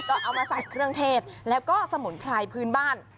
ก็เอามาใส่เครื่องเทศแล้วก็สมุนไพรพื้นบ้าน